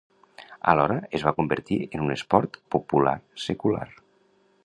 Alhora es va convertir en un esport popular secular.